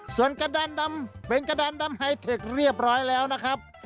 ส่วนกระดานดำเป็นกระดานดำไฮเทคเรียบร้อยแล้วนะครับ